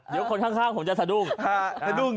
เดี๋ยวคนข้างผมจะสะดุ้ง